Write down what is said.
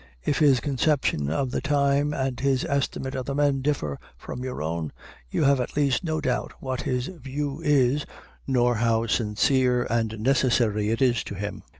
If his conception of the time and his estimate of the men differ from your own, you have at least no doubt what his view is, nor how sincere and necessary it is to him.